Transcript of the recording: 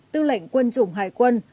tư lệnh quân chủng hải quân